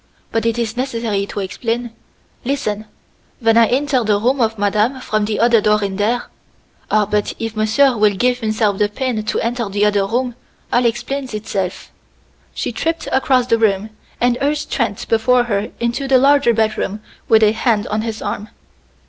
But it is necessary to explain. Listen! When I enter the room of madame from the other door in there ah! but if monsieur will give himself the pain to enter the other room, all explains itself." She tripped across to the door, and urged Trent before her into the larger bedroom with a hand on his arm.